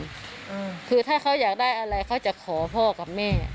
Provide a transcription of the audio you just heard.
คุณบาทรหรือผู้หญิงดูแลถ้าเขาอยากได้อะไรเขาก็จะขอพ่อและแม่